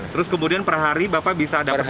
terus kemudian per hari bapak bisa dapat berapa